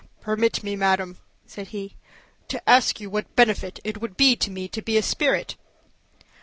"Permit me, madam," said he, "to ask you what benefit it would be to me to be a spirit?"